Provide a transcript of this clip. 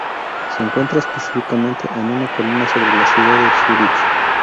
Se encuentra específicamente en una colina sobre la ciudad de Zúrich.